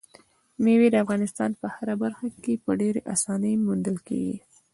مېوې د افغانستان په هره برخه کې په ډېرې اسانۍ موندل کېږي.